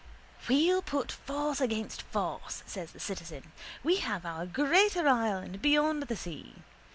—We'll put force against force, says the citizen. We have our greater Ireland beyond the sea.